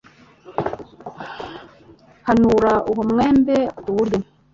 Hanura uwo mwembe tuwurye